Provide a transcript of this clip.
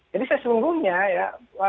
jadi sesungguhnya ya